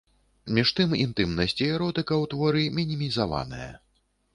Між тым інтымнасць і эротыка ў творы мінімізаваная.